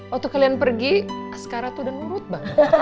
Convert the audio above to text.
waktu kalian pergi askara tuh udah nurut banget